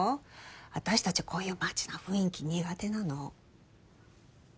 あたしたちこういうマジな雰囲気苦手なの。